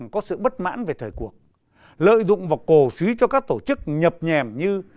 có sự bất mãn về thời cuộc lợi dụng và cổ suý cho các tổ chức nhập nhèm như